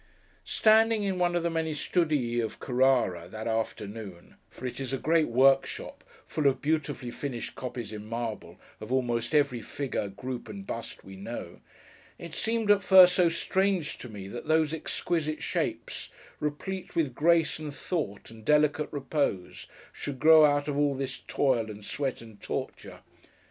Standing in one of the many studii of Carrara, that afternoon—for it is a great workshop, full of beautifully finished copies in marble, of almost every figure, group, and bust, we know—it seemed, at first, so strange to me that those exquisite shapes, replete with grace, and thought, and delicate repose, should grow out of all this toil, and sweat, and torture!